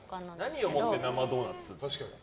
何をもって生ドーナツなの？